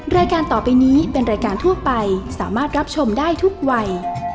รายการต่อไปนี้เป็นรายการทั่วไปสามารถรับชมได้ทุกวัย